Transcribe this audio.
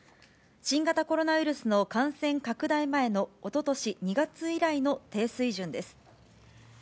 新型コロナウイルスの感染拡大前のおととし２月以来の低水準です。